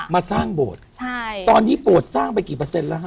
มาสร้างโบสถ์ใช่ตอนนี้โบสถ์สร้างไปกี่เปอร์เซ็นต์แล้วฮ